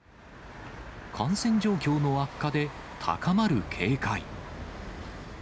感染状況の悪化で、高まる警戒。